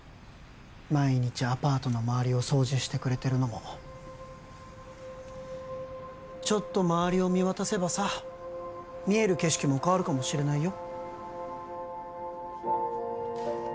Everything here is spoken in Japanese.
毎日アパートの周りを掃除してくれてるのもちょっと周りを見渡せばさ見える景色も変わるかもしれないよ